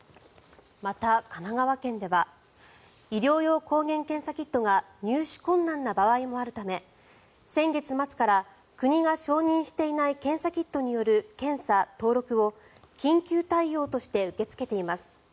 また、神奈川県では医療用抗原検査キットが入手困難な場合もあるため先月末から国が承認していない検査キットによる検査・登録を緊急対応として受け付けています。